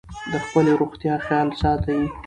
د خپلې روغتیا خیال ساتئ.